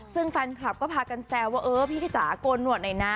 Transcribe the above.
ซึ่งแฟนคลับก็พากันแซวว่าเออพี่ขจ๋าโกนหนวดหน่อยนะ